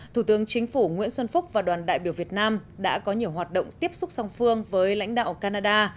thủ tướng chính phủ nguyễn xuân phúc và đoàn đại biểu việt nam đã có nhiều hoạt động tiếp xúc song phương với lãnh đạo canada